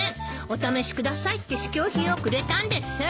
お試しくださいって試供品をくれたんです。